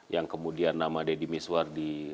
yang kemudian nama deddy miswar di